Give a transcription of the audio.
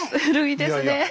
古いですね。